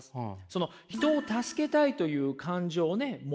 その人を助けたいという感情を持つ。